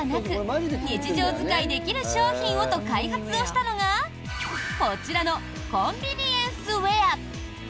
緊急時だけではなく日常使いできる商品をと開発をしたのがこちらのコンビニエンスウェア。